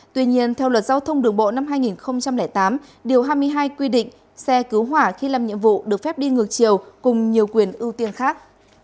tuy nhiên theo luật giao thông đường bộ năm hai nghìn tám điều hai mươi hai quy định xe cứu hỏa khi làm nhiệm vụ được phép đi ngược chiều cùng nhiều quyền ưu tiên khác